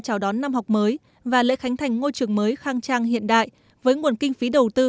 chào đón năm học mới và lễ khánh thành ngôi trường mới khang trang hiện đại với nguồn kinh phí đầu tư